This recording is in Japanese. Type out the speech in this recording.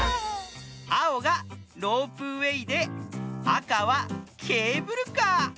あおがロープウエーであかはケーブルカー。